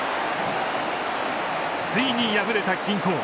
ついに破れた均衡。